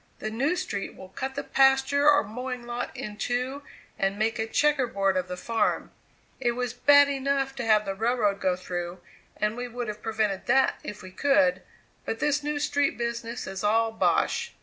The new street will cut the pasture or mowing lot in two, and make a checkerboard of the farm. It was bad enough to have the railroad go through, and we would have prevented that if we could; but this new street business is all bosh!"